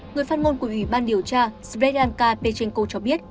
người phát ngôn của ủy ban điều tra svetlanka pechenko cho biết